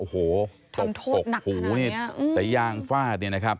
พ่อทำบ่อยไหมครับ